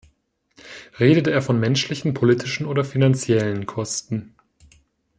Redet er von menschlichen, politischen oder finanziellen Kosten?